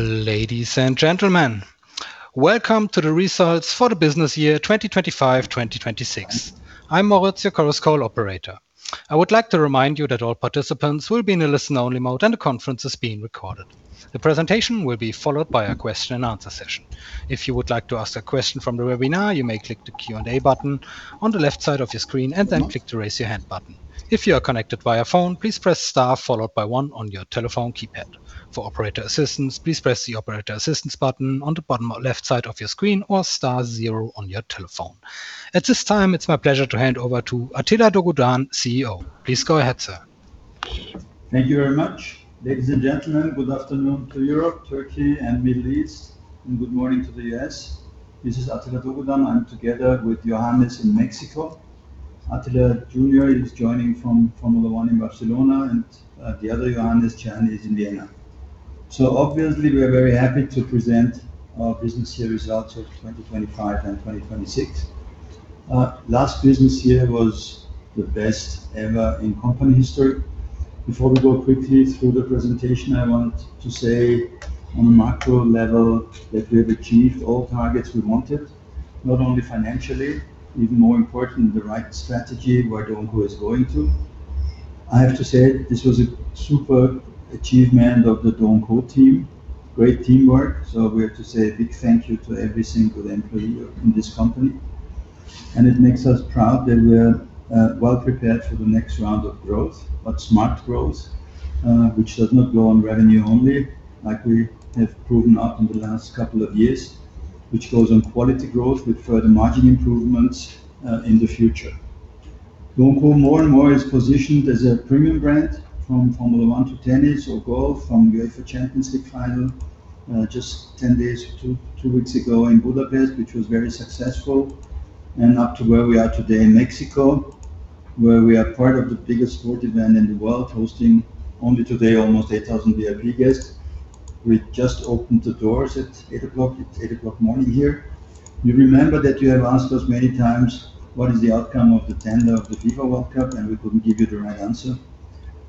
Ladies and gentlemen, welcome to the results for the business year 2025/2026. I'm Moritz, your conference call operator. I would like to remind you that all participants will be in a listen-only mode, and the conference is being recorded. The presentation will be followed by a question and answer session. If you would like to ask a question from the webinar, you may click the Q&A button on the left side of your screen, and then click the Raise Your Hand button. If you are connected via phone, please press star followed by one on your telephone keypad. For operator assistance, please press the Operator Assistance button on the bottom left side of your screen or star zero on your telephone. At this time, it's my pleasure to hand over to Attila Dogudan, CEO. Please go ahead, sir. Thank you very much. Ladies and gentlemen, good afternoon to Europe, Turkey, and Middle East, and good morning to the U.S. This is Attila Dogudan. I'm together with Johannes in Mexico. Attila Junior is joining from Formula One in Barcelona, and the other Johannes, Jan, is in Vienna. Obviously, we are very happy to present our business year results of 2025 and 2026. Last business year was the best ever in company history. Before we go quickly through the presentation, I want to say on a macro level that we have achieved all targets we wanted, not only financially, even more important, the right strategy where DO & CO is going to. I have to say this was a super achievement of the DO & CO team. Great teamwork. We have to say a big thank you to every single employee in this company. It makes us proud that we're well prepared for the next round of growth, smart growth, which does not go on revenue only, like we have proven not in the last couple of years, which goes on quality growth with further margin improvements in the future. DO & CO more and more is positioned as a premium brand from Formula One to tennis or golf from UEFA Champions League final, just 10 days, two weeks ago in Budapest, which was very successful, and up to where we are today in Mexico, where we are part of the biggest sport event in the world, hosting only today almost 8,000 VIP guests. We just opened the doors at 8:00 A.M. It's 8:00 A.M. here. You remember that you have asked us many times, what is the outcome of the tender of the FIFA World Cup? We couldn't give you the right answer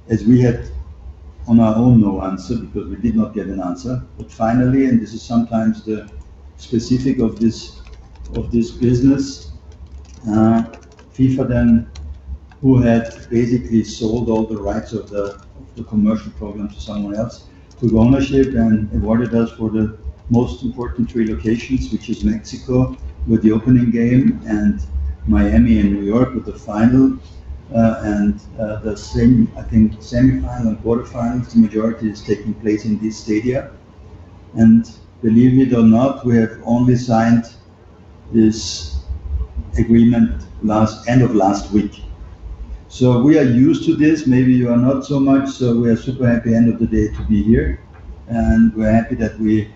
as we had on our own no answer because we did not get an answer. Finally, this is sometimes the specific of this business, FIFA then, who had basically sold all the rights of the commercial program to someone else, took ownership and awarded us for the most important three locations, which is Mexico with the opening game and Miami and New York with the final. The same, I think semifinal and quarterfinals, the majority is taking place in these stadia. Believe it or not, we have only signed this agreement end of last week. We are used to this. Maybe you are not so much. We are super happy at the end of the day to be here, and we are happy that we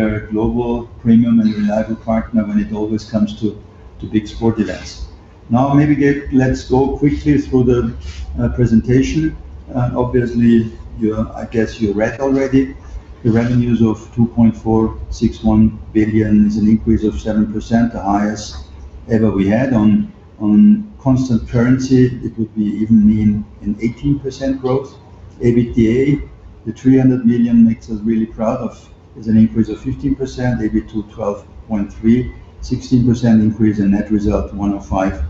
are a global premium and reliable partner when it always comes to big sport events. Maybe let's go quickly through the presentation. Obviously, I guess you read already the revenues of 2.461 billion is an increase of 7%, the highest ever we had. On constant currency, it would even mean an 18% growth. EBITDA, the 300 million makes us really proud of. It is an increase of 15%, EBIT 12.3%, 16% increase in net result, 105.8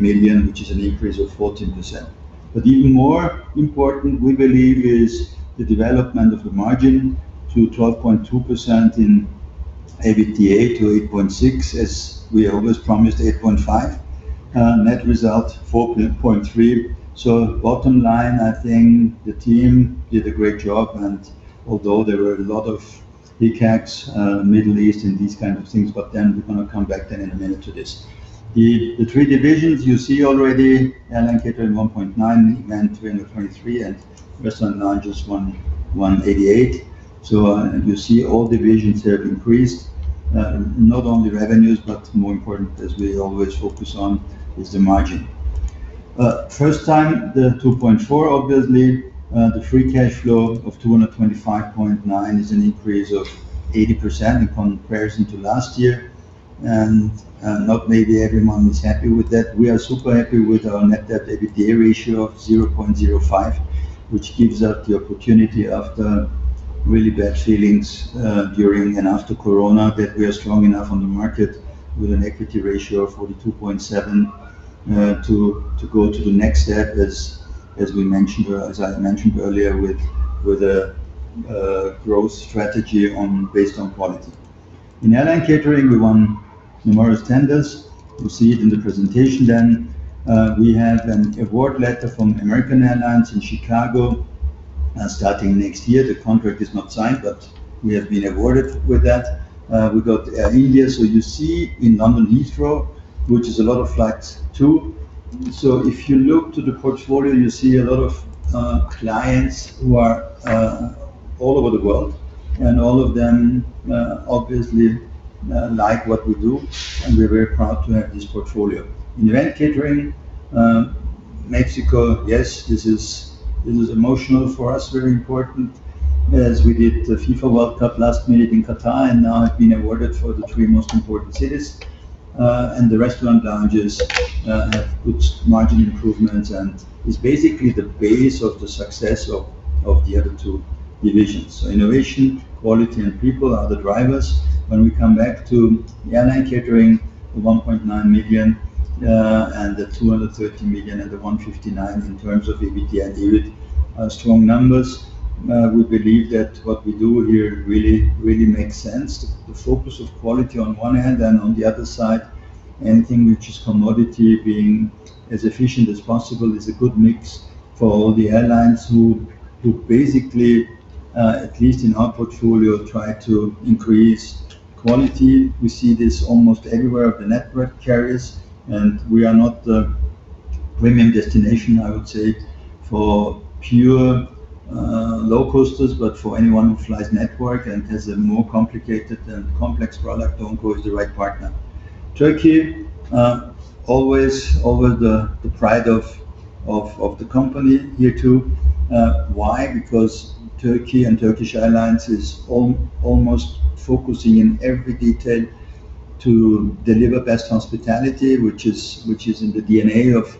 million, which is an increase of 14%. Even more important, we believe, is the development of the margin to 12.2% in EBITDA to 8.6% as we always promised 8.5%. Net result, 4.3%. Bottom line, I think the team did a great job. Although there were a lot of hiccups, Middle East and these kinds of things, we are going to come back then in a minute to this. The three divisions you see already, Airline Catering, 1.9 billion, then 323 million and Restaurant & Lounge, just 188 million. You see all divisions have increased, not only revenues, but more important as we always focus on is the margin. First time, the 2.4 billion obviously, the free cash flow of 225.9 million is an increase of 80% in comparison to last year. Not maybe everyone is happy with that. We are super happy with our net debt EBITDA ratio of 0.05, which gives us the opportunity after really bad feelings during and after COVID that we are strong enough on the market with an equity ratio of 42.7% to go to the next step as I mentioned earlier with a growth strategy based on quality. In Airline Catering, we won numerous tenders. You will see it in the presentation then. We have an award letter from American Airlines in Chicago starting next year. The contract is not signed, but we have been awarded with that. We got Air India, you see in London Heathrow, which is a lot of flights too. If you look to the portfolio, you see a lot of clients who are all over the world, and all of them obviously like what we do, and we are very proud to have this portfolio. In Event Catering, Mexico, yes, this is emotional for us, very important as we did the FIFA World Cup last minute in Qatar, and now have been awarded for the three most important cities. The restaurant lounges have good margin improvements and is basically the base of the success of the other two divisions. Innovation, quality, and people are the drivers. When we come back to the Airline Catering, the 1.9 billion and the 230 million and the 159 million in terms of EBITDA and EBIT, are strong numbers. We believe that what we do here really makes sense. The focus of quality on one hand, and on the other side, anything which is commodity being as efficient as possible is a good mix for all the airlines who basically, at least in our portfolio, try to increase quality. We see this almost everywhere of the network carriers. We are not the premium destination, I would say, for pure low-costers, but for anyone who flies network and has a more complicated and complex product, DO & CO is the right partner. Turkey, always the pride of the company here, too. Turkey and Turkish Airlines is almost focusing on every detail to deliver best hospitality, which is in the DNA of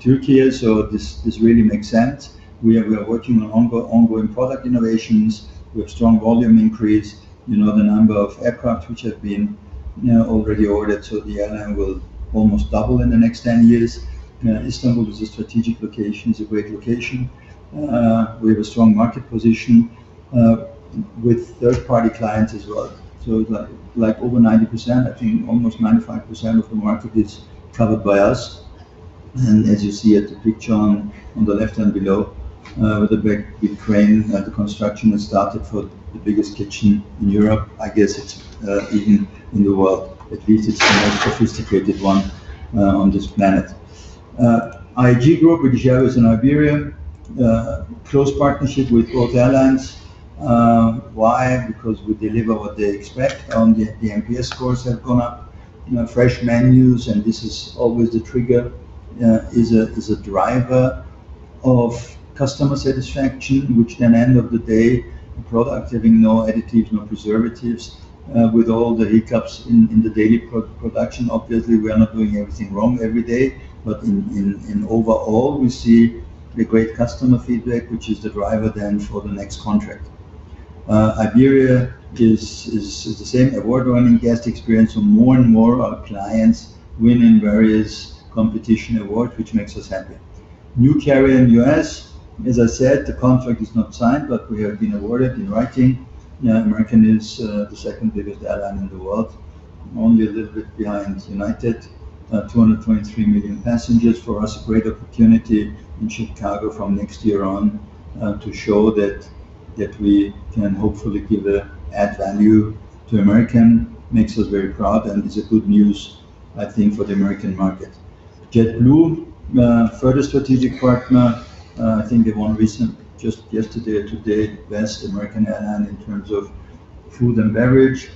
Turkey. This really makes sense. We are working on ongoing product innovations. We have strong volume increase. The number of aircraft which have been already ordered. The airline will almost double in the next 10 years. Istanbul is a strategic location, is a great location. We have a strong market position with third-party clients as well. Over 90%, I think almost 95% of the market is covered by us. As you see at the picture on the left-hand below, with the big crane, the construction has started for the biggest kitchen in Europe. I guess it's even in the world. At least it's the most sophisticated one on this planet. IAG group, British Airways and Iberia, close partnership with both airlines. We deliver what they expect. The NPS scores have gone up. Fresh menus, and this is always the trigger, is a driver of customer satisfaction, which then end of the day, the product having no additives, no preservatives. With all the hiccups in the daily production, obviously, we are not doing everything wrong every day. In overall, we see the great customer feedback, which is the driver then for the next contract. Iberia is the same. Award-winning guest experience. More and more of our clients winning various competition awards, which makes us happy. New carrier in U.S. As I said, the contract is not signed, but we have been awarded in writing. American Airlines is the second biggest airline in the world, only a little bit behind United Airlines. 223 million passengers. For us, a great opportunity in Chicago from next year on to show that we can hopefully add value to American Airlines. Makes us very proud, and it's a good news, I think, for the American market. JetBlue, further strategic partner. I think they won recent, just yesterday or today, best American airline in terms of food and beverage.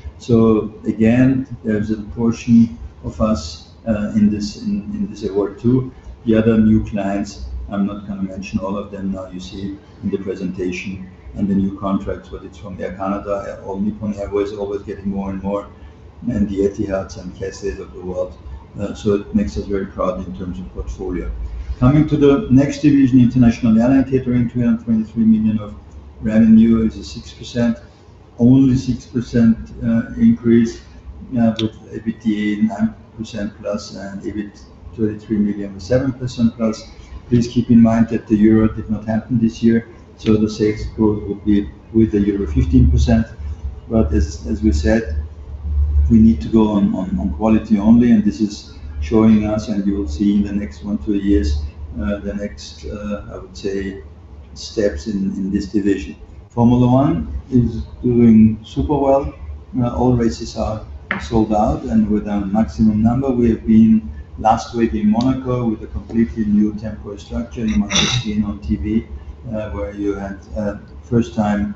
Again, there's a portion of us in this award, too. The other new clients, I'm not going to mention all of them now you see in the presentation and the new contracts, but it's from Air Canada, All Nippon Airways, always getting more and more, and the Etihad and Qatars of the world. It makes us very proud in terms of portfolio. Coming to the next division, International Event Catering, 323 million of revenue. It's a 6%, only 6% increase with EBITDA +9% and EBIT 33 million with +7%. Please keep in mind that the Euro did not happen this year, the sales growth would be with the Euro 15%. As we said, we need to go on quality only, and this is showing us, and you will see in the next one, two years, the next, I would say, steps in this division. Formula One is doing super well. All races are sold out and with a maximum number. We have been last week in Monaco with a completely new temporary structure. You must have seen on TV where you had first time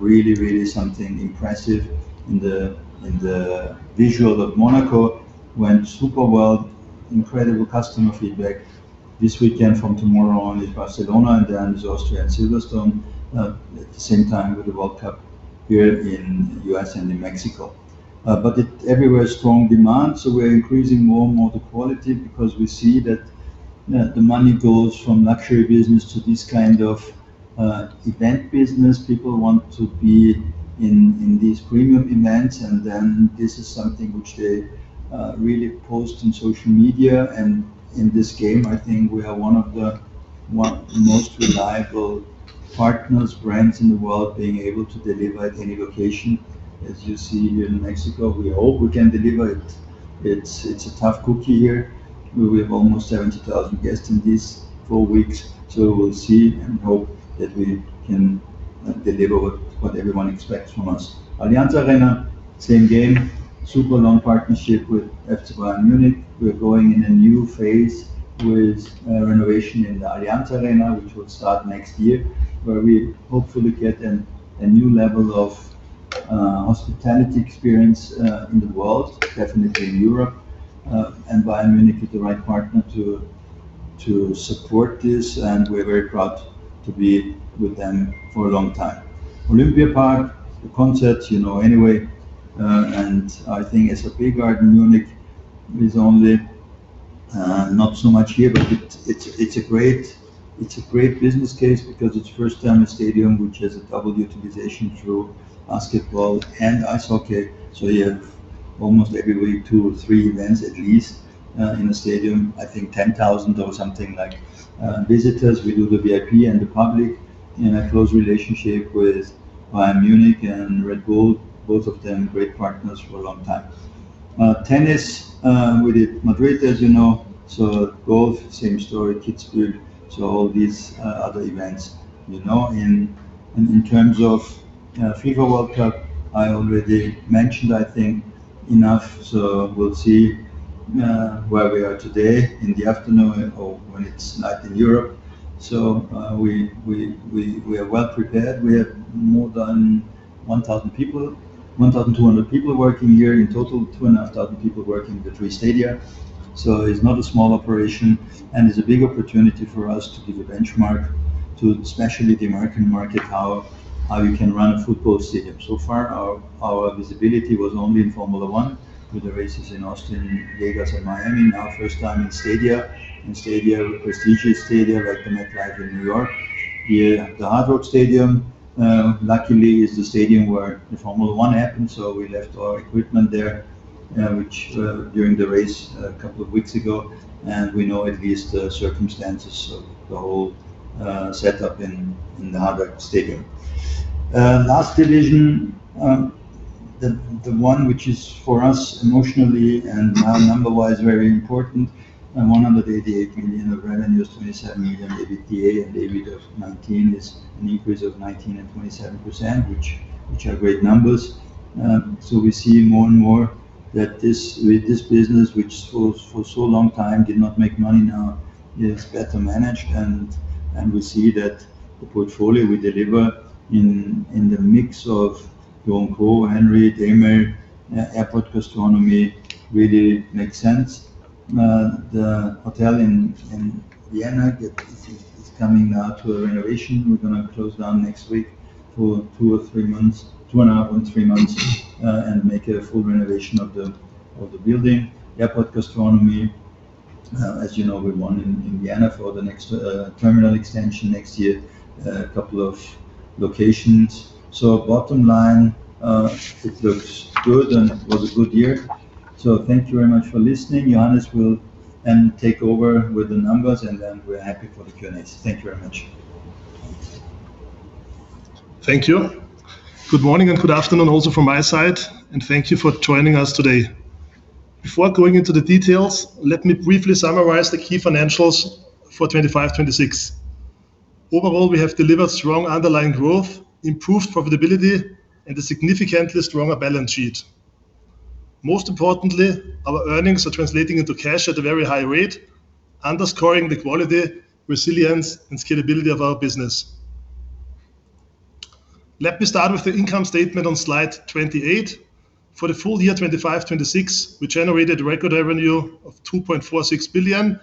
really something impressive in the visual of Monaco. Went super well, incredible customer feedback. This weekend from tomorrow on is Barcelona, Austria and Silverstone at the same time with the World Cup here in U.S. and in Mexico. Everywhere strong demand. We're increasing more and more the quality because we see that the money goes from luxury business to this kind of event business. People want to be in these premium events. This is something which they really post on social media. In this game, I think we are one of the most reliable partners, brands in the world being able to deliver at any location. As you see here in Mexico, we hope we can deliver it. It's a tough cookie here. We have almost 70,000 guests in these four weeks. We'll see and hope that we can deliver what everyone expects from us. Allianz Arena, same game. Super long partnership with FC Bayern Munich. We're going in a new phase with renovation in the Allianz Arena, which will start next year, where we hopefully get a new level of hospitality experience in the world, definitely in Europe. Bayern Munich is the right partner to support this, and we're very proud to be with them for a long time. Olympiapark, the concert, anyway, SAP Garden Munich is only not so much here, but it's a great business case because it's the first time a stadium which has a double utilization through basketball and ice hockey. You have almost every week, two or three events at least, in the stadium. I think 10,000 or something like visitors. We do the VIP and the public in a close relationship with Bayern Munich and Red Bull, both of them great partners for a long time. Tennis, we did Madrid, as you know. Golf, same story, Kitzbühel. All these other events. In terms of FIFA World Cup, I already mentioned, I think enough, we'll see where we are today in the afternoon or when it's night in Europe. We are well-prepared. We have more than 1,000 people, 1,200 people working here in total, 2,500 people working in the three stadia. It's not a small operation, and it's a big opportunity for us to give a benchmark to, especially the American market, how you can run a football stadium. Far, our visibility was only in Formula One with the races in Austin, Vegas, and Miami. Now, first time in stadia, prestigious stadia like the MetLife in New York. Here, the Hard Rock Stadium, luckily, is the stadium where the Formula One happened, we left our equipment there, which during the race a couple of weeks ago, and we know at least the circumstances of the whole setup in the Hard Rock Stadium. Last division, the one which is for us emotionally and now number-wise very important, 188 million of revenues, 27 million EBITDA, and EBIT of 19 million is an increase of 19% and 27%, which are great numbers. We see more and more that with this business, which for so long time did not make money, now is better managed, and we see that the portfolio we deliver in the mix of DO & CO, HENRY, Demel, airport gastronomy really makes sense. The hotel in Vienna is coming now to a renovation. We're going to close down next week for two and a half or three months and make a full renovation of the building. Airport gastronomy, as you know, we won in Vienna for the next terminal extension next year, a couple of locations. Bottom line, it looks good and was a good year. Thank you very much for listening. Johannes will then take over with the numbers, and then we're happy for the Q&A. Thank you very much. Thank you. Good morning and good afternoon also from my side, and thank you for joining us today. Before going into the details, let me briefly summarize the key financials for 2025/2026. Overall, we have delivered strong underlying growth, improved profitability, and a significantly stronger balance sheet. Most importantly, our earnings are translating into cash at a very high rate, underscoring the quality, resilience, and scalability of our business. Let me start with the income statement on slide 28. For the full year 2025/2026, we generated record revenue of 2.46 billion,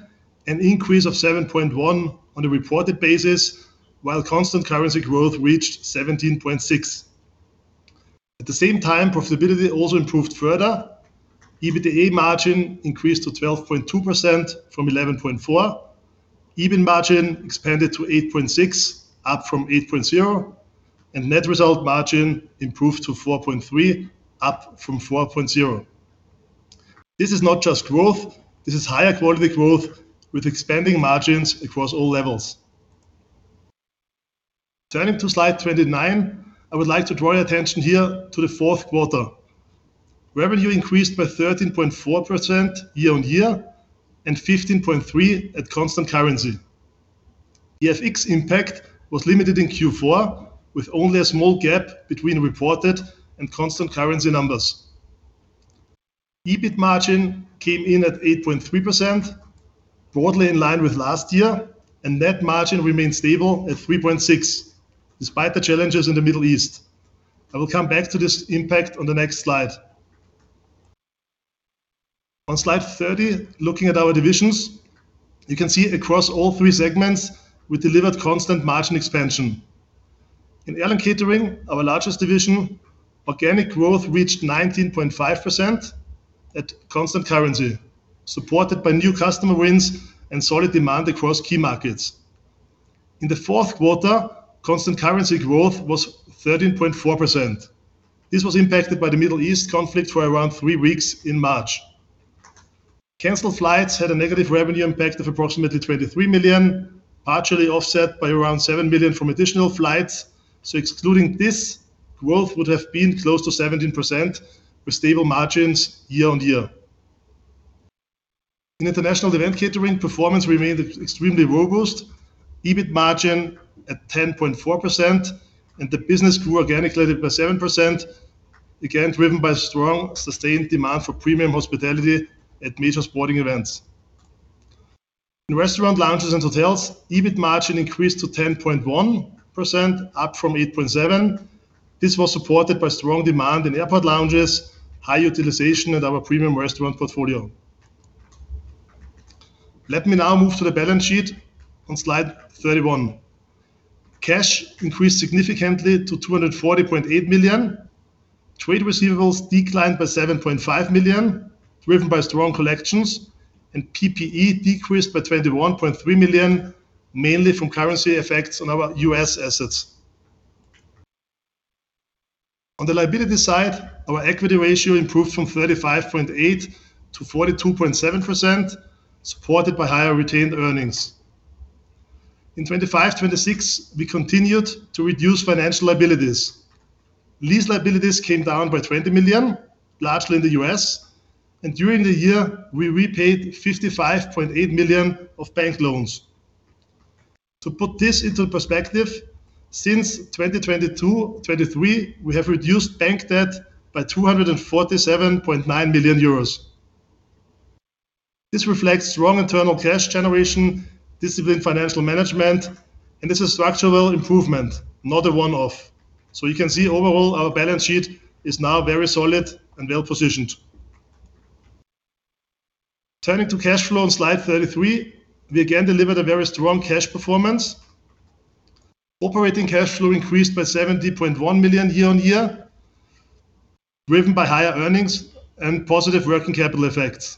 an increase of 7.1% on a reported basis, while constant currency growth reached 17.6%. At the same time, profitability also improved further. EBITDA margin increased to 12.2% from 11.4%. EBIT margin expanded to 8.6%, up from 8.0%, and net result margin improved to 4.3%, up from 4.0%. This is not just growth. This is higher quality growth with expanding margins across all levels. Turning to slide 29, I would like to draw your attention here to the fourth quarter. Revenue increased by 13.4% year-on-year and 15.3% at constant currency. FX impact was limited in Q4, with only a small gap between reported and constant currency numbers. EBIT margin came in at 8.3%, broadly in line with last year, and net margin remained stable at 3.6%, despite the challenges in the Middle East. I will come back to this impact on the next slide. On slide 30, looking at our divisions, you can see across all three segments, we delivered constant margin expansion. In Airline Catering, our largest division, organic growth reached 19.5% at constant currency, supported by new customer wins and solid demand across key markets. In the fourth quarter, constant currency growth was 13.4%. This was impacted by the Middle East conflict for around three weeks in March. Canceled flights had a negative revenue impact of approximately 23 million, partially offset by around 7 million from additional flights. Excluding this, growth would have been close to 17%, with stable margins year-on-year. In International Event Catering, performance remained extremely robust. EBIT margin at 10.4%, and the business grew organically by 7%, again, driven by strong, sustained demand for premium hospitality at major sporting events. In Restaurants, Lounges & Hotels, EBIT margin increased to 10.1%, up from 8.7%. This was supported by strong demand in airport lounges, high utilization at our premium restaurant portfolio. Let me now move to the balance sheet on slide 31. Cash increased significantly to 240.8 million. Trade receivables declined by 7.5 million, driven by strong collections. PPE decreased by 21.3 million, mainly from currency effects on our U.S. assets. On the liability side, our equity ratio improved from 35.8% to 42.7%, supported by higher retained earnings. In 2025/2026, we continued to reduce financial liabilities. Lease liabilities came down by 20 million, largely in the U.S., and during the year, we repaid 55.8 million of bank loans. To put this into perspective, since 2022/2023, we have reduced bank debt by 247.9 million euros. This reflects strong internal cash generation, disciplined financial management, and this is a structural improvement, not a one-off. You can see overall our balance sheet is now very solid and well-positioned. Turning to cash flow on slide 33, we again delivered a very strong cash performance. Operating cash flow increased by 70.1 million year-on-year, driven by higher earnings and positive working capital effects.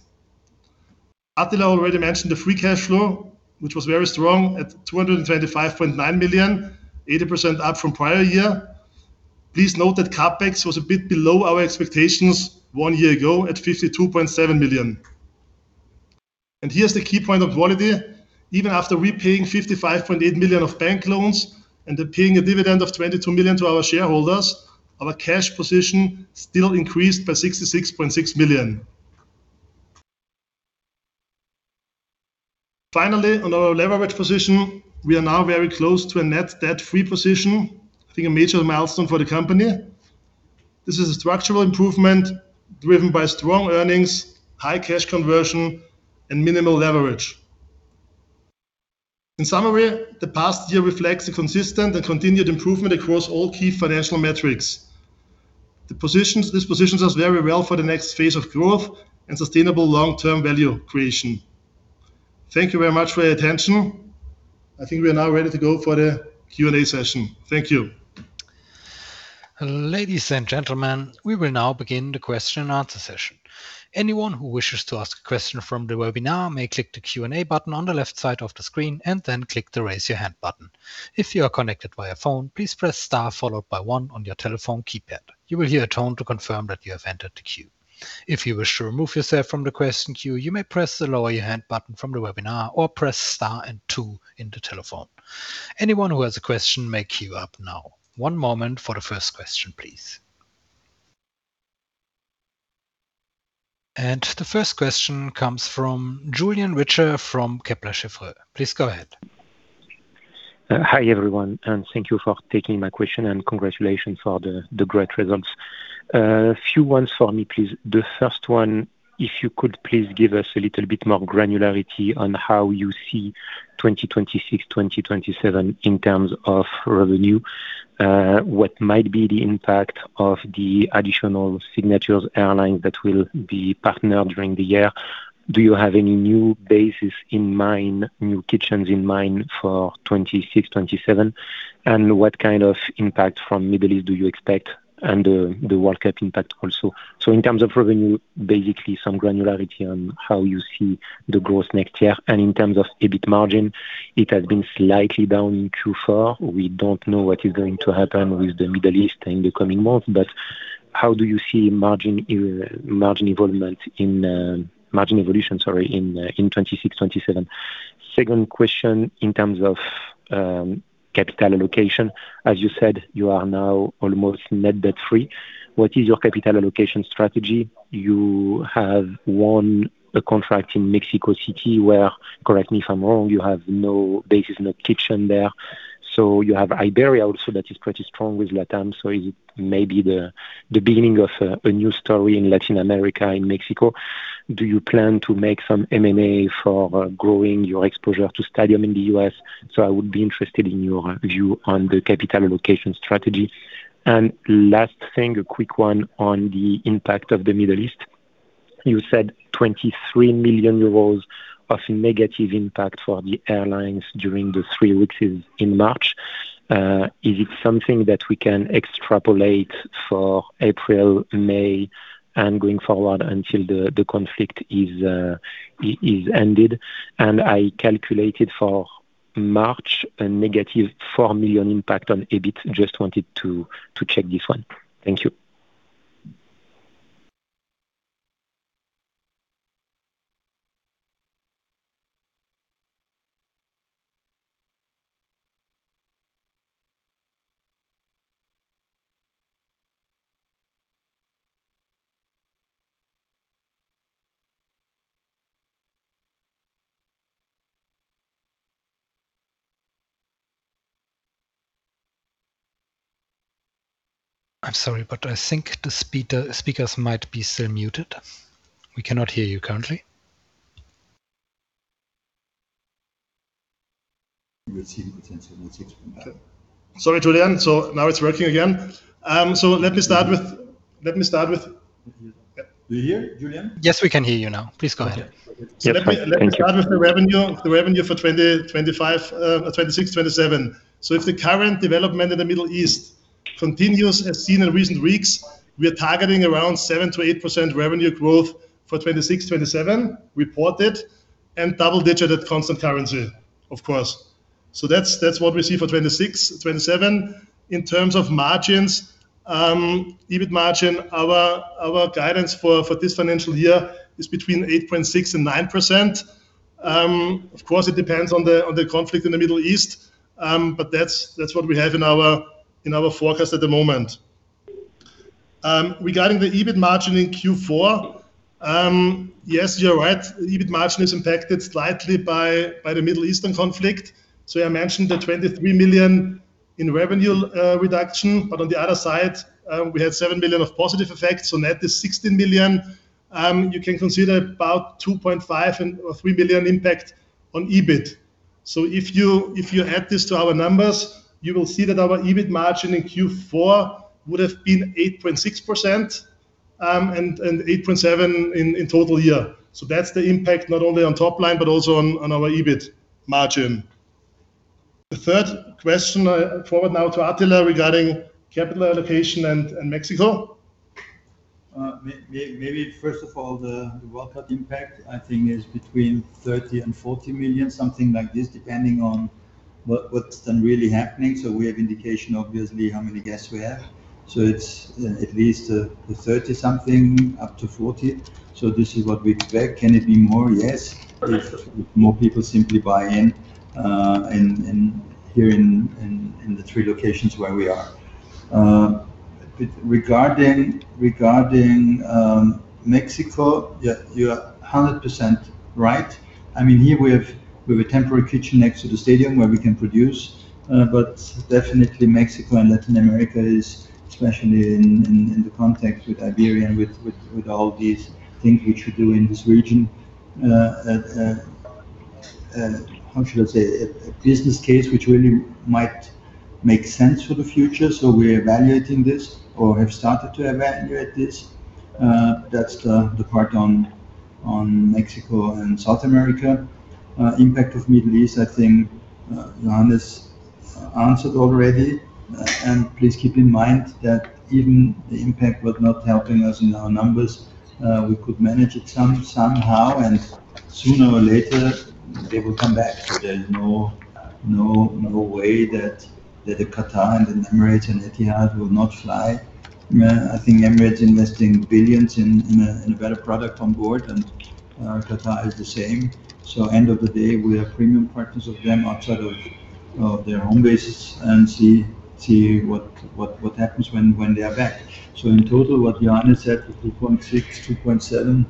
Attila already mentioned the free cash flow, which was very strong at 225.9 million, 80% up from prior year. Please note that CapEx was a bit below our expectations one year ago at 52.7 million. Here's the key point of quality. Even after repaying 55.8 million of bank loans and then paying a dividend of 22 million to our shareholders, our cash position still increased by 66.6 million. Finally, on our leverage position, we are now very close to a net debt-free position. I think a major milestone for the company. This is a structural improvement driven by strong earnings, high cash conversion, and minimal leverage. In summary, the past year reflects a consistent and continued improvement across all key financial metrics. This positions us very well for the next phase of growth and sustainable long-term value creation. Thank you very much for your attention. I think we are now ready to go for the Q&A session. Thank you. Ladies and gentlemen, we will now begin the question and answer session. Anyone who wishes to ask a question from the webinar may click the Q&A button on the left side of the screen and then click the Raise Your Hand button. If you are connected via phone, please press star followed by one on your telephone keypad. You will hear a tone to confirm that you have entered the queue. If you wish to remove yourself from the question queue, you may press the Lower Your Hand button from the webinar or press star two on the telephone. Anyone who has a question may queue up now. One moment for the first question, please. The first question comes from Julien Richer from Kepler Cheuvreux. Please go ahead. Hi, everyone, thank you for taking my question and congratulations for the great results. A few ones for me, please. The first one, if you could please give us a little bit more granularity on how you see 2026/2027 in terms of revenue. What might be the impact of the additional signatures airline that will be partnered during the year? Do you have any new bases in mind, new kitchens in mind for 2026/2027? What kind of impact from Middle East do you expect and the World Cup impact also? In terms of revenue, basically some granularity on how you see the growth next year. In terms of EBIT margin, it has been slightly down in Q4. We don't know what is going to happen with the Middle East in the coming months, how do you see margin evolution, sorry, in 2026, 2027? Second question, in terms of capital allocation. As you said, you are now almost net debt-free. What is your capital allocation strategy? You have won a contract in Mexico City where, correct me if I'm wrong, you have no bases, no kitchen there. You have Iberia also that is pretty strong with LATAM. Is it maybe the beginning of a new story in Latin America, in Mexico? Do you plan to make some M&A for growing your exposure to stadium in the U.S.? I would be interested in your view on the capital allocation strategy. Last thing, a quick one on the impact of the Middle East. You said 23 million euros of negative impact for the airlines during the three weeks in March. Is it something that we can extrapolate for April, May, and going forward until the conflict is ended? I calculated for March a negative 4 million impact on EBIT. Just wanted to check this one. Thank you. I'm sorry, I think the speakers might be still muted. We cannot hear you currently. We'll see potentially, we'll see. Okay. Sorry, Julien. Now it's working again. Let me start with Do you hear, Julien? Yes, we can hear you now. Please go ahead. Okay. Perfect. Thank you. Let me start with the revenue for 2025, or 2026/2027. If the current development in the Middle East continues as seen in recent weeks, we are targeting around 7%-8% revenue growth for 2026/2027 reported and double-digit at constant currency, of course. That's what we see for 2026/2027. In terms of margins, EBIT margin, our guidance for this financial year is between 8.6%-9%. Of course, it depends on the conflict in the Middle East, but that's what we have in our forecast at the moment. Regarding the EBIT margin in Q4, yes, you're right. EBIT margin is impacted slightly by the Middle Eastern conflict. I mentioned the 23 million in revenue reduction, but on the other side, we had 7 million of positive effects. Net is 16 million. You can consider about 2.5 million and 3 million impact on EBIT. If you add this to our numbers, you will see that our EBIT margin in Q4 would have been 8.6% and 8.7% in total year. That's the impact not only on top line, but also on our EBIT margin. The third question I forward now to Attila regarding capital allocation and Mexico. Maybe first of all, the World Cup impact, I think, is between $30 million and $40 million, something like this, depending on what's then really happening. We have indication, obviously, how many guests we have. It's at least $30-something million, up to $40 million. This is what we expect. Can it be more? Yes. If more people simply buy in here in the three locations where we are. Regarding Mexico, you are 100% right. Here we have a temporary kitchen next to the stadium where we can produce. Definitely Mexico and Latin America is, especially in the context with Iberia, with all these things which we do in this region, how should I say? A business case which really might make sense for the future. We're evaluating this or have started to evaluate this. That's the part on Mexico and South America. Impact of Middle East, I think Johannes answered already. Please keep in mind that even the impact was not helping us in our numbers. We could manage it somehow, and sooner or later they will come back. There's no way that the Qatar and the Emirates and Etihad will not fly. I think Emirates investing billions in a better product on board and Qatar is the same. End of the day, we are premium partners of them outside of their home bases and see what happens when they are back. In total, what Johannes said, 2.6 billion-2.7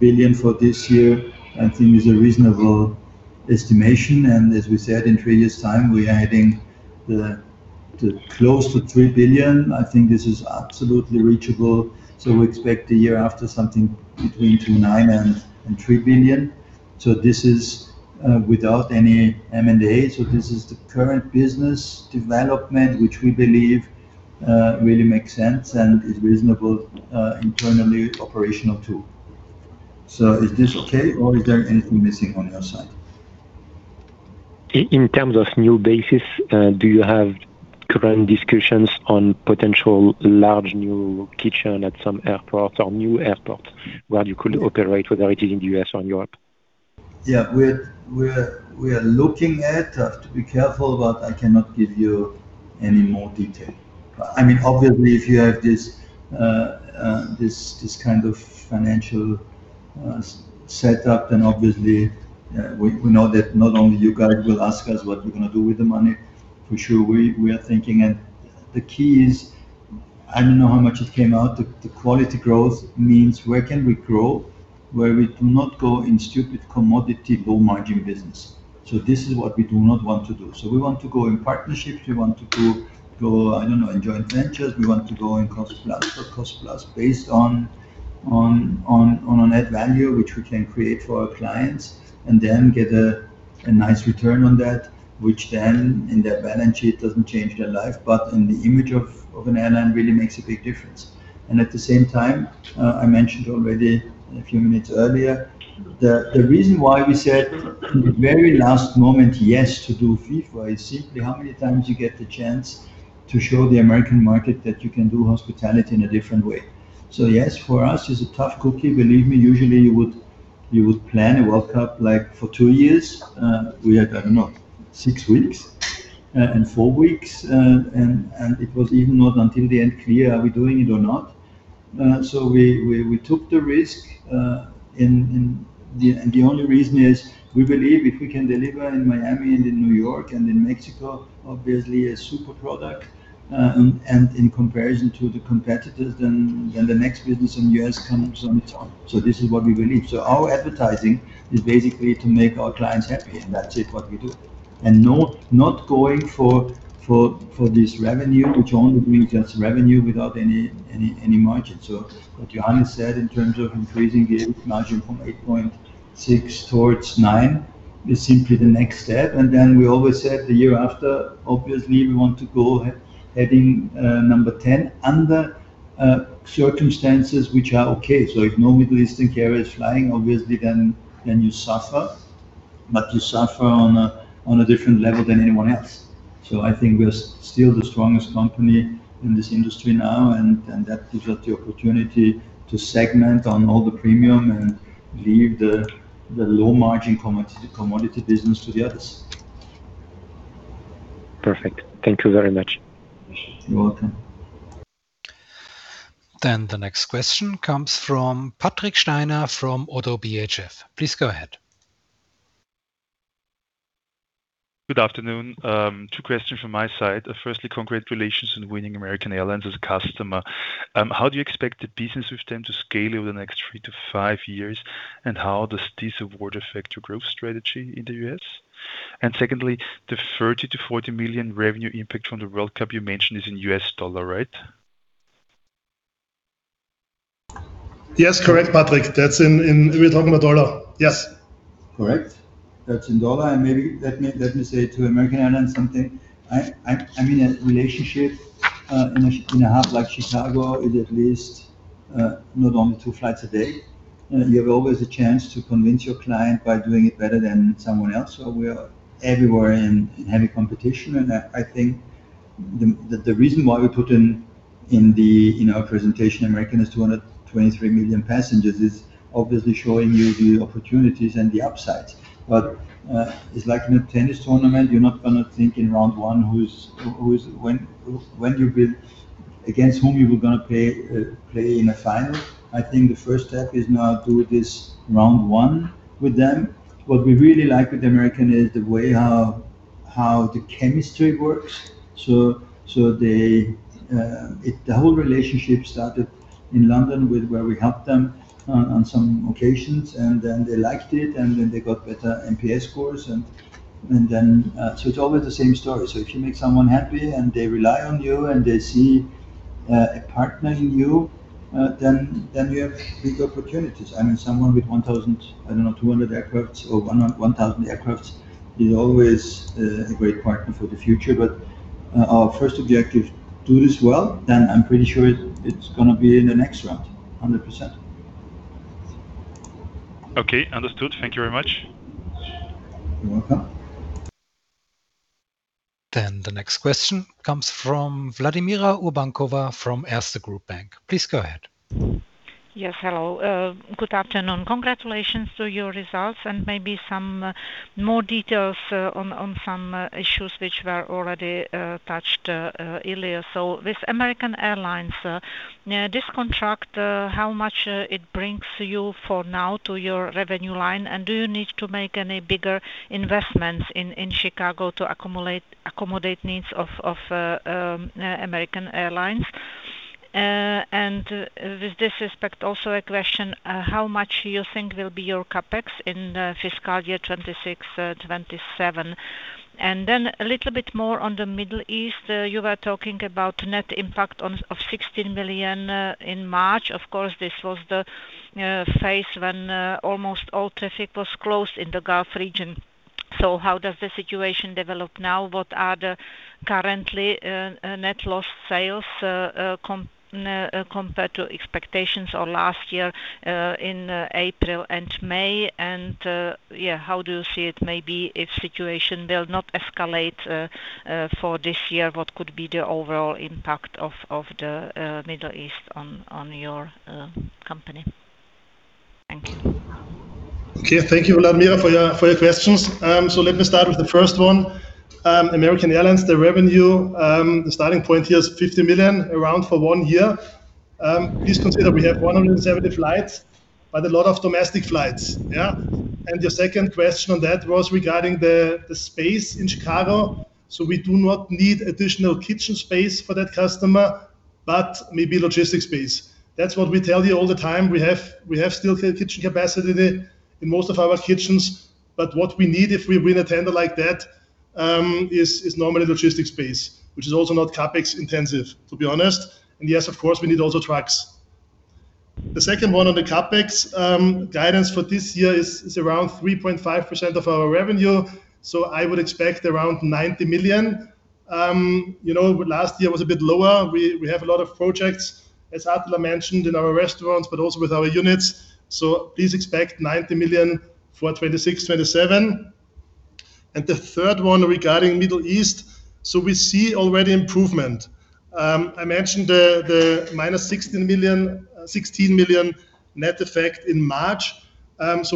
billion for this year I think is a reasonable estimation. As we said in previous time, we are adding close to 3 billion. I think this is absolutely reachable. We expect the year after something between 2.9 billion and 3 billion. This is without any M&A. This is the current business development, which we believe really makes sense and is reasonable internally operational tool. Is this okay or is there anything missing on your side? In terms of new bases, do you have current discussions on potential large new kitchen at some airports or new airports where you could operate, whether it is in the U.S. or Europe? We are looking at. I have to be careful, but I cannot give you any more detail. Obviously, if you have this kind of financial setup, then obviously we know that not only you guys will ask us what we're going to do with the money. For sure, we are thinking. The key is, I don't know how much it came out, the quality growth means where can we grow where we do not go in stupid commodity low-margin business. This is what we do not want to do. We want to go in partnerships. We want to go, I don't know, in joint ventures. We want to go in cost-plus. Cost-plus based on a net value which we can create for our clients and then get a nice return on that, which then in their balance sheet doesn't change their life, but in the image of an airline really makes a big difference. At the same time, I mentioned already a few minutes earlier, the reason why we said in the very last moment yes to do FIFA is simply how many times you get the chance to show the American market that you can do hospitality in a different way. Yes, for us it's a tough cookie. Believe me, usually you would plan a World Cup like for two years. We had, I don't know, six weeks and four weeks, and it was even not until the end clear are we doing it or not? We took the risk, the only reason is we believe if we can deliver in Miami and in New York and in Mexico, obviously a super product, in comparison to the competitors, then the next business in U.S. comes on its own. This is what we believe. Our advertising is basically to make our clients happy, and that's it, what we do. Not going for this revenue, which only brings us revenue without any margin. What Johannes said in terms of increasing EBIT margin from 8.6% towards 9% is simply the next step. We always said the year after, obviously, we want to go heading number 10 under circumstances which are okay. If no Middle Eastern carrier is flying, obviously then you suffer, but you suffer on a different level than anyone else. I think we're still the strongest company in this industry now, that gives us the opportunity to segment on all the premium and leave the low margin commodity business to the others. Perfect. Thank you very much. You're welcome. The next question comes from Patrick Steiner from ODDO BHF. Please go ahead. Good afternoon. Two questions from my side. Firstly, congratulations on winning American Airlines as a customer. How do you expect the business with them to scale over the next three to five years? Secondly, the $30 million-$40 million revenue impact from the World Cup you mentioned is in U.S. dollar, right? Yes, correct, Patrick. We're talking about U.S. dollar. Yes. Correct. That's in dollar. Maybe let me say to American Airlines something. I mean, a relationship in a hub like Chicago is at least not only two flights a day. You have always a chance to convince your client by doing it better than someone else. We are everywhere in heavy competition, and I think the reason why we put in our presentation, American has 223 million passengers is obviously showing you the opportunities and the upsides. It's like in a tennis tournament, you're not going to think in round one against whom you were going to play in a final. I think the first step is now do this round one with them. What we really like with American is the way how the chemistry works. The whole relationship started in London, where we helped them on some occasions, and then they liked it, and then they got better NPS scores. It's always the same story. If you make someone happy and they rely on you and they see a partner in you then we have big opportunities. I mean, someone with 1,000, I don't know, 200 aircraft or 1,000 aircraft is always a great partner for the future. Our first objective, do this well, then I'm pretty sure it's going to be in the next round 100%. Okay. Understood. Thank you very much. You're welcome. The next question comes from Vladimira Urbankova from Erste Group Bank. Please go ahead. Yes. Hello, good afternoon. Congratulations on your results and maybe some more details on some issues which were already touched earlier. With American Airlines, this contract how much it brings you for now to your revenue line? Do you need to make any bigger investments in Chicago to accommodate needs of American Airlines? With this respect, also a question, how much you think will be your CapEx in fiscal year 2026/2027? A little bit more on the Middle East. You were talking about net impact of 16 million in March. Of course, this was the phase when almost all traffic was closed in the Gulf region. How does the situation develop now? What are the currently net lost sales compared to expectations or last year in April and May? How do you see it may be if situation will not escalate for this year, what could be the overall impact of the Middle East on your company? Thank you. Okay. Thank you, Vladimira, for your questions. Let me start with the first one. American Airlines, the revenue, the starting point here is 50 million around for one year. Please consider we have 170 flights, but a lot of domestic flights. Your second question on that was regarding the space in Chicago. We do not need additional kitchen space for that customer, but maybe logistics space. That's what we tell you all the time. We have still kitchen capacity in most of our kitchens, but what we need if we win a tender like that, is normally logistics space, which is also not CapEx intensive, to be honest. Yes, of course, we need also trucks. The second one on the CapEx guidance for this year is around 3.5% of our revenue. I would expect around 90 million. Last year was a bit lower. We have a lot of projects, as Attila mentioned, in our restaurants, but also with our units. Please expect 90 million for 2026, 2027. The third one regarding Middle East, we see already improvement. I mentioned the -16 million net effect in March.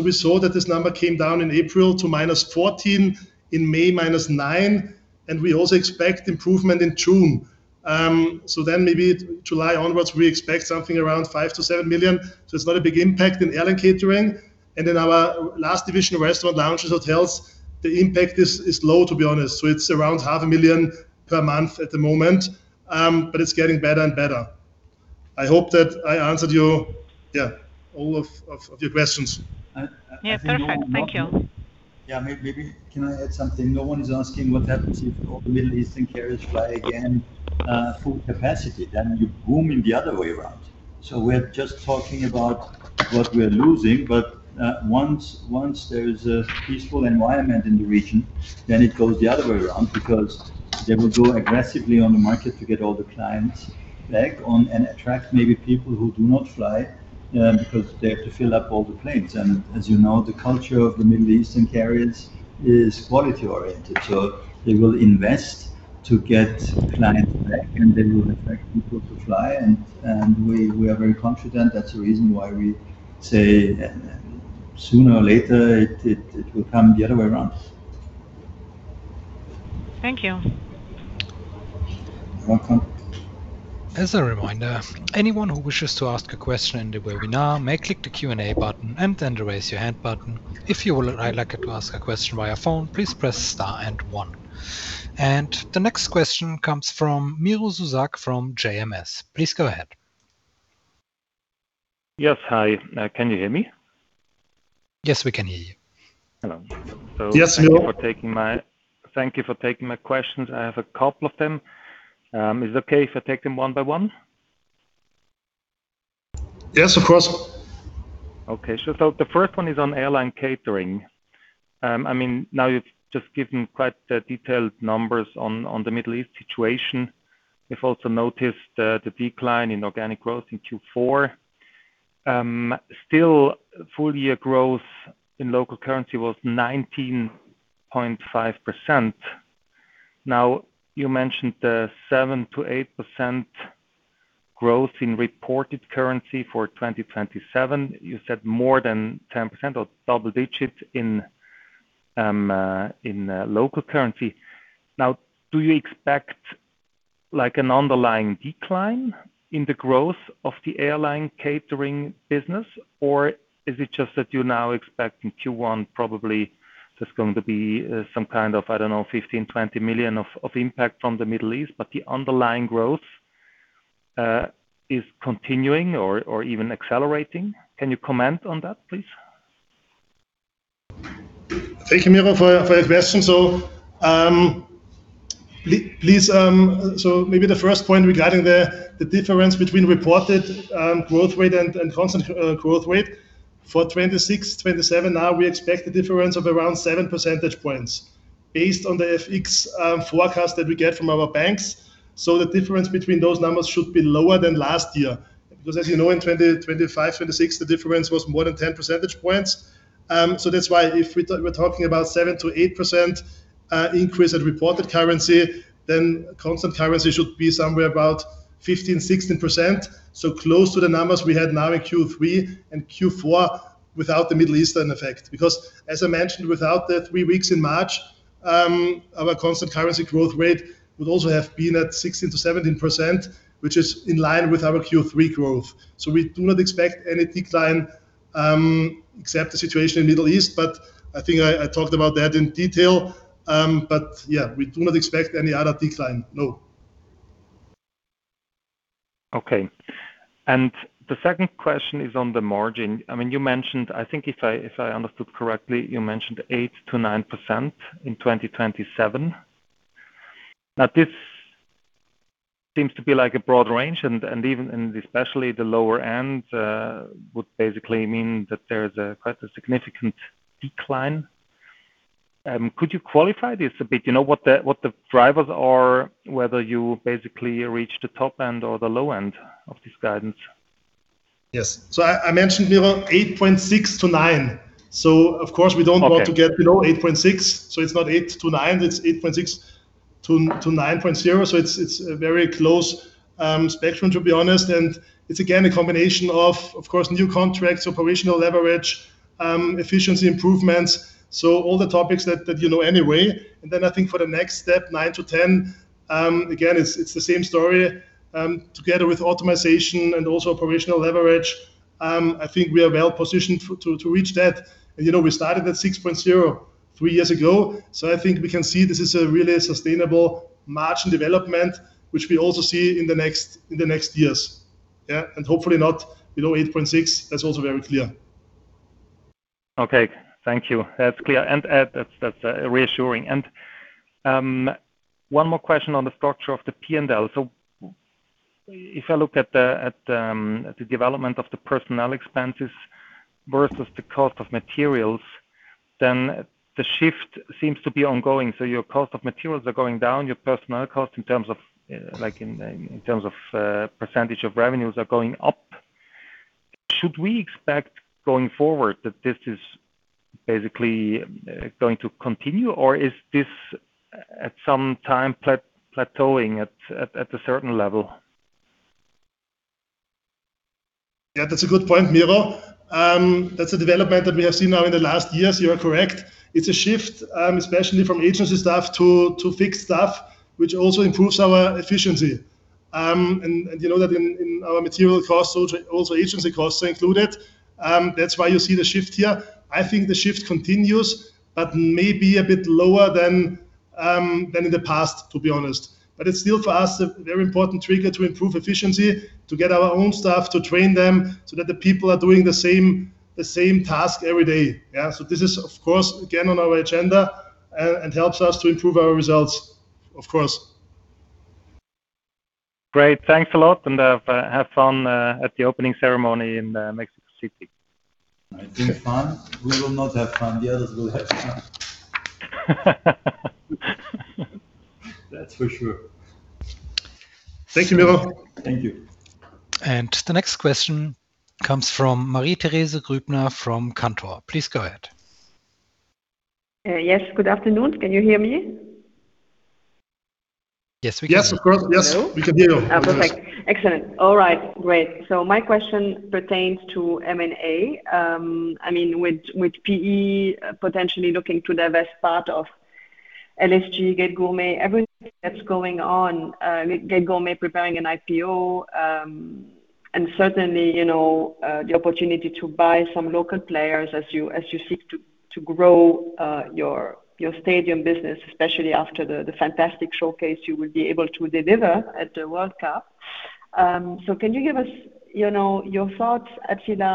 We saw that this number came down in April to -14 million, in May -9 million, and we also expect improvement in June. Maybe July onwards, we expect something around 5 million-7 million. It's not a big impact in Airline Catering. Our last division, Restaurants, Lounges & Hotels, the impact is low, to be honest. It's around 0.5 million per month at the moment, but it's getting better and better. I hope that I answered all of your questions. Yes. Perfect. Thank you. Maybe can I add something? No one is asking what happens if all the Middle Eastern carriers fly again full capacity, then you boom in the other way around. We're just talking about what we are losing, once there is a peaceful environment in the region, it goes the other way around, because they will go aggressively on the market to get all the clients back on and attract maybe people who do not fly, because they have to fill up all the planes. As you know, the culture of the Middle Eastern carriers is quality-oriented. They will invest to get clients back, and they will attract people to fly. We are very confident. That's the reason why we say sooner or later, it will come the other way around. Thank you. You're welcome. As a reminder, anyone who wishes to ask a question in the webinar may click the Q&A button and then the Raise Your Hand button. If you would like to ask a question via phone, please press star and one. The next question comes from Miro Zuzak from JMS. Please go ahead. Yes. Hi. Can you hear me? Yes, we can hear you. Hello. Yes, Miro. Thank you for taking my questions. I have a couple of them. Is it okay if I take them one by one? Yes, of course. Okay. The first one is on Airline Catering. You've just given quite the detailed numbers on the Middle East situation. We've also noticed the decline in organic growth in Q4. Still, full-year growth in local currency was 19.5%. You mentioned the 7%-8% growth in reported currency for 2027. You said more than 10% or double digits in local currency. Do you expect an underlying decline in the growth of the Airline Catering business, or is it just that you're now expecting Q1 probably just going to be some kind of, I don't know, 15 million-20 million of impact from the Middle East, but the underlying growth is continuing or even accelerating? Can you comment on that, please? Thank you, Miro, for your question. Maybe the first point regarding the difference between reported growth rate and constant growth rate. For 2026/2027 now we expect a difference of around seven percentage points based on the FX forecast that we get from our banks. The difference between those numbers should be lower than last year. Because as you know, in 2025/2026, the difference was more than 10 percentage points. That's why if we're talking about 7%-8% increase at reported currency, then constant currency should be somewhere about 15%, 16%, close to the numbers we had now in Q3 and Q4 without the Middle Eastern effect. Because as I mentioned, without the three weeks in March, our constant currency growth rate would also have been at 16%-17%, which is in line with our Q3 growth. We do not expect any decline except the situation in Middle East, but I think I talked about that in detail. Yeah, we do not expect any other decline, no. Okay. The second question is on the margin. You mentioned, I think if I understood correctly, you mentioned 8%-9% in 2027. This seems to be a broad range and even, especially the lower end would basically mean that there's quite a significant decline. Could you qualify this a bit? What the drivers are, whether you basically reach the top end or the low end of this guidance? Yes. I mentioned, Miro, 8.6%-9%. Of course, we don't want. Okay We don't want to get below 8.6%, it's not eight to nine, it's 8.6%-9.0%. It's a very close spectrum, to be honest. It's again, a combination of course, new contracts, operational leverage, efficiency improvements. All the topics that you know anyway. I think for the next step, 9%-10%, again it's the same story. Together with automation and also operational leverage, I think we are well positioned to reach that. We started at 6.0% three years ago, I think we can see this is a really sustainable margin development, which we also see in the next years. Yeah. Hopefully not below 8.6%. That's also very clear. Okay. Thank you. That's clear, and that's reassuring. One more question on the structure of the P&L. If I look at the development of the personnel expenses versus the cost of materials, the shift seems to be ongoing. Your cost of materials are going down, your personnel costs in terms of percentage of revenues are going up. Should we expect going forward that this is basically going to continue, or is this at some time plateauing at a certain level? Yeah, that's a good point, Miro. That's a development that we have seen now in the last years. You are correct. It's a shift, especially from agency staff to fixed staff, which also improves our efficiency. You know that in our material costs, also agency costs are included. That's why you see the shift here. I think the shift continues, but maybe a bit lower than in the past, to be honest. It's still for us a very important trigger to improve efficiency, to get our own staff, to train them so that the people are doing the same task every day. Yeah. This is, of course, again on our agenda and helps us to improve our results, of course. Great. Thanks a lot. Have fun at the opening ceremony in Mexico City. I think fun? We will not have fun. The others will have fun. That's for sure. Thank you, Miro. Thank you. The next question comes from Marie-Thérèse Gruebner from Cantor. Please go ahead. Yes, good afternoon. Can you hear me? Yes, we can. Yes, of course. Yes, we can hear you. Perfect. Excellent. All right. Great. My question pertains to M&A. With PE potentially looking to divest part of LSG, Gategroup, everything that's going on, Gategroup preparing an IPO. Certainly, the opportunity to buy some local players as you seek to grow your stadium business, especially after the fantastic showcase you will be able to deliver at the World Cup. Can you give us your thoughts, Attila,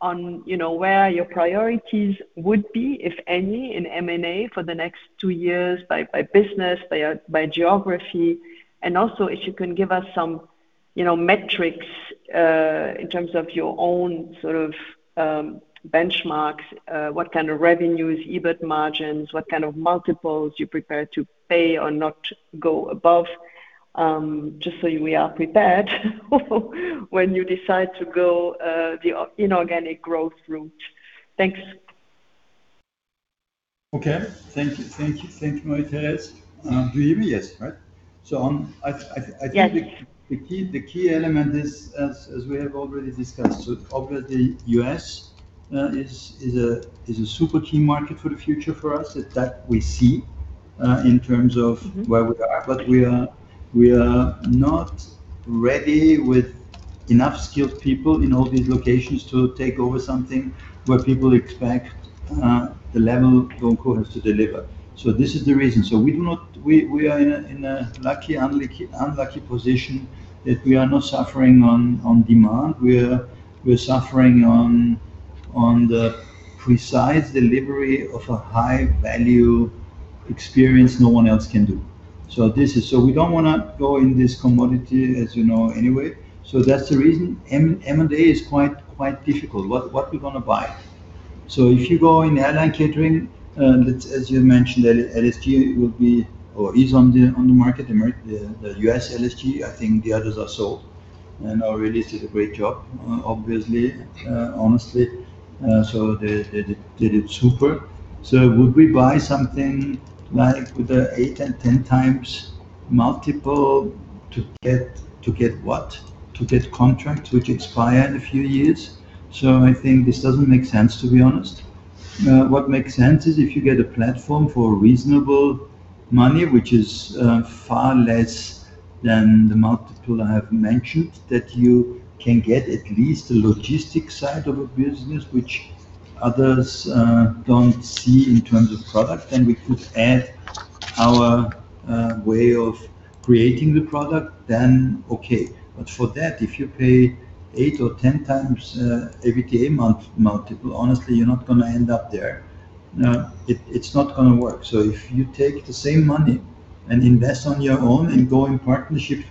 on where your priorities would be, if any, in M&A for the next two years by business, by geography, and also if you can give us some metrics, in terms of your own benchmarks, what kind of revenues, EBIT margins, what kind of multiples you're prepared to pay or not go above, just so we are prepared when you decide to go the inorganic growth route. Thanks. Okay. Thank you, Marie-Thérèse. Do you hear me? Yes, right? Yes. I think the key element is, as we have already discussed, obviously U.S. is a super key market for the future for us, that we see in terms of where we are. We are not ready with enough skilled people in all these locations to take over something where people expect the level DO & CO has to deliver. This is the reason. We are in a lucky-unlucky position that we are not suffering on demand. We are suffering on the precise delivery of a high-value experience no one else can do. We don't want to go in this commodity, as you know, anyway. That's the reason M&A is quite difficult. What are we going to buy? If you go in Airline Catering, as you mentioned, LSG will be or is on the market, the U.S. LSG. I think the others are sold and already did a great job, obviously, honestly. They did super. Would we buy something like with the 8x and 10x multiple to get what? To get contracts which expire in a few years. I think this doesn't make sense, to be honest. What makes sense is if you get a platform for reasonable money, which is far less than the multiple I have mentioned, that you can get at least the logistics side of a business which others don't see in terms of product. We could add our way of creating the product, then okay. For that, if you pay 8x or 10x EBITDA multiple, honestly, you're not going to end up there. It's not going to work. If you take the same money and invest on your own and go in partnerships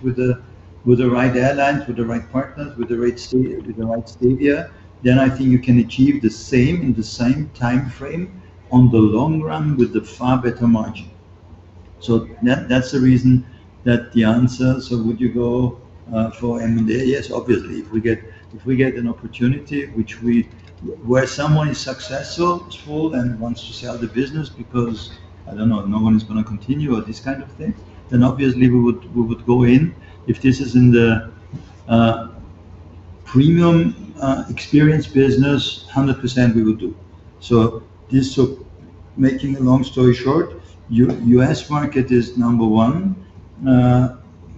with the right airlines, with the right partners, with the right stadia, then I think you can achieve the same in the same time frame on the long run with a far better margin. That's the reason that the answer. Would you go for M&A? Yes, obviously. If we get an opportunity where someone is successful and wants to sell the business because, I don't know, no one is going to continue or this kind of thing, then obviously we would go in. If this is in the premium experience business, 100% we would do. Making a long story short, U.S. market is number one.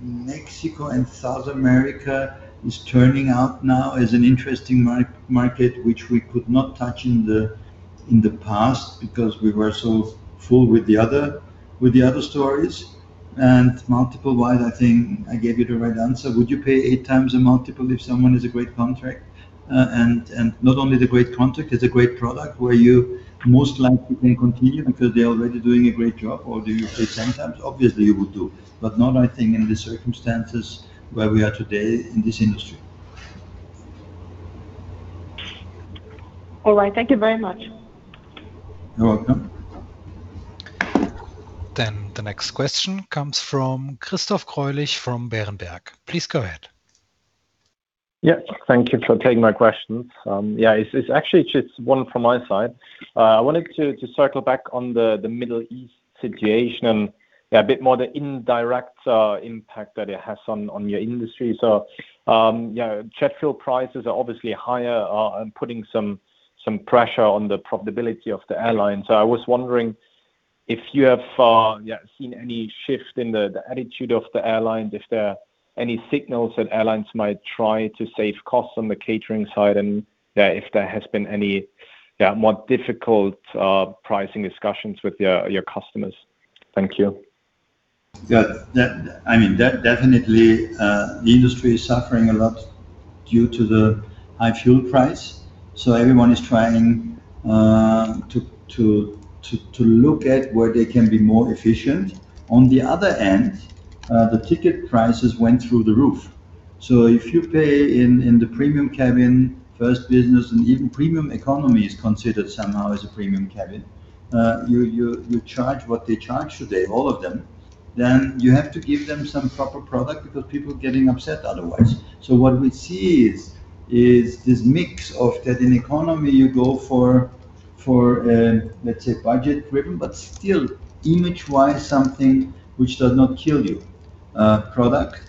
Mexico and South America is turning out now as an interesting market, which we could not touch in the past because we were so full with the other stories. Multiple wise, I think I gave you the right answer. Would you pay eight times a multiple if someone has a great contract? Not only the great contract, it's a great product where you most likely can continue because they're already doing a great job, or do you pay 10x? Obviously, you would do, but not, I think, in the circumstances where we are today in this industry. All right. Thank you very much. You're welcome. The next question comes from Christoph Greulich from Berenberg. Please go ahead. Thank you for taking my questions. It's actually just one from my side. I wanted to circle back on the Middle East situation and, a bit more the indirect impact that it has on your industry. Jet fuel prices are obviously higher and putting some pressure on the profitability of the airlines. I was wondering if you have seen any shift in the attitude of the airlines, if there are any signals that airlines might try to save costs on the catering side, and if there has been any more difficult pricing discussions with your customers. Thank you. Definitely the industry is suffering a lot due to the high fuel price. Everyone is trying to look at where they can be more efficient. On the other end, the ticket prices went through the roof. If you pay in the premium cabin, first business, and even premium economy is considered somehow as a premium cabin, you charge what they charge today, all of them, you have to give them some proper product because people are getting upset otherwise. What we see is this mix of that in economy you go for, let's say, budget driven, but still image-wise, something which does not kill you, product.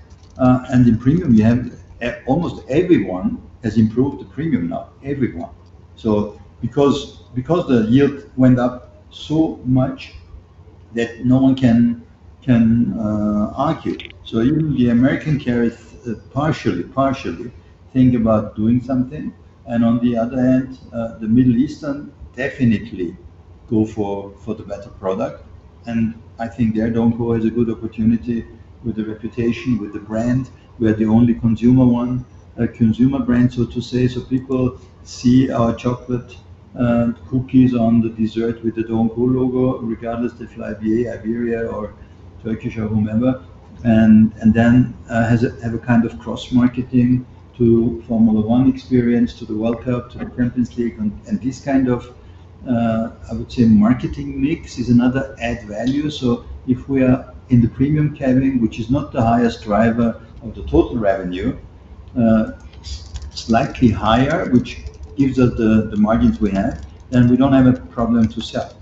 In premium, you have almost everyone has improved the premium now. Everyone. Because the yield went up so much that no one can argue. Even the American carriers partially think about doing something. On the other hand, the Middle Eastern definitely go for the better product. I think there DO & CO has a good opportunity with the reputation, with the brand. We are the only consumer one, consumer brand, so to say. People see our chocolate and cookies on the dessert with the DO & CO logo, regardless if they fly BA, Iberia, or Turkish or whomever. Have a kind of cross-marketing to Formula One experience, to the World Cup, to the Champions League, and this kind of, I would say, marketing mix is another add value. If we are in the premium cabin, which is not the highest driver of the total revenue, slightly higher, which gives us the margins we have, we don't have a problem to sell.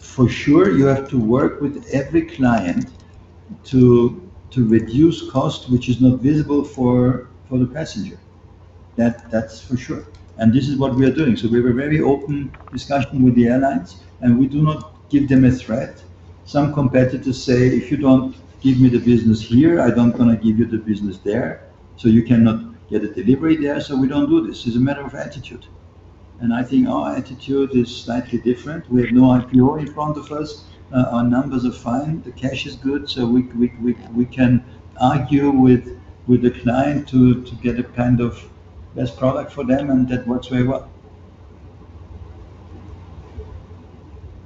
For sure, you have to work with every client to reduce cost, which is not visible for the passenger. That is for sure. This is what we are doing. We have a very open discussion with the airlines. We do not give them a threat. Some competitors say, "If you do not give me the business here, I am not going to give you the business there, so you cannot get a delivery there." We do not do this. It is a matter of attitude. I think our attitude is slightly different. We have no IPO in front of us. Our numbers are fine. The cash is good. We can argue with the client to get a best product for them, and that works very well.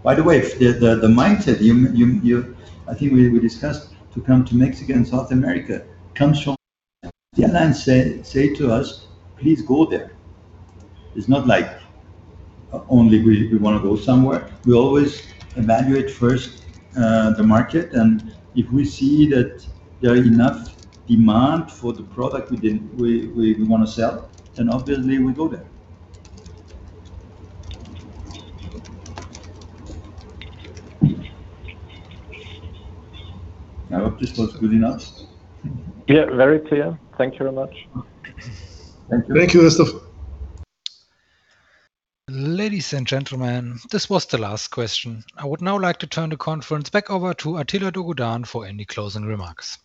By the way, the mindset I think we discussed to come to Mexico and South America comes from the airlines say to us, "Please go there." It is not like only we want to go somewhere. We always evaluate first the market. If we see that there are enough demand for the product we want to sell, obviously, we go there. I hope this was good enough. Very clear. Thank you very much. Thank you. Thank you, Christoph. Ladies and gentlemen, this was the last question. I would now like to turn the conference back over to Attila Dogudan for any closing remarks.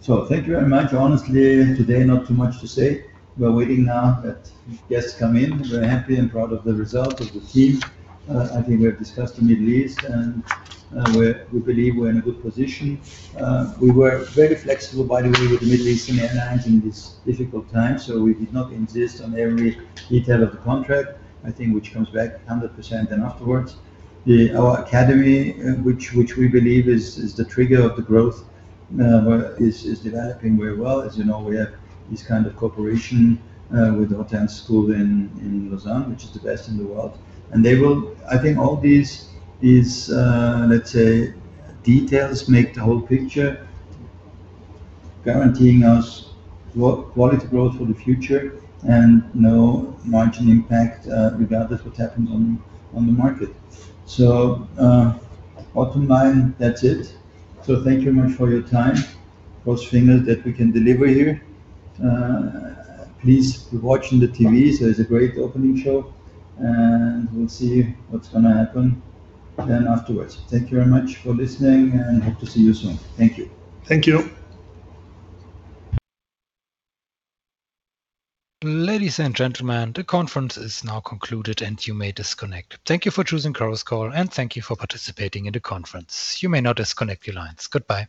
Thank you very much. Honestly, today not too much to say. We're waiting now that guests come in. We're happy and proud of the result, of the team. I think we have discussed the Middle East. We believe we're in a good position. We were very flexible, by the way, with the Middle Eastern airlines in this difficult time. We did not insist on every detail of the contract, I think, which comes back 100% then afterwards. Our academy, which we believe is the trigger of the growth, is developing very well. As you know, we have this kind of cooperation with the hotel and school in Lausanne, which is the best in the world. I think all these details make the whole picture, guaranteeing us quality growth for the future and no margin impact regardless what happens on the market. Bottom line, that's it. Thank you very much for your time. Cross fingers that we can deliver here. Please keep watching the TV. There's a great opening show. We'll see what's going to happen then afterwards. Thank you very much for listening and hope to see you soon. Thank you. Thank you. Ladies and gentlemen, the conference is now concluded and you may disconnect. Thank you for choosing Chorus Call, and thank you for participating in the conference. You may now disconnect your lines. Goodbye